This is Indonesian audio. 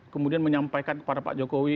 kemudian menyampaikan kepada pak jokowi